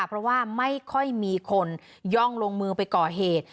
เพราะว่าไม่ค่อยมีคนย่องลงมือไปก่อเหตุ